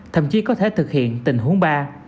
thậm chí có thể thực hiện tình huống ba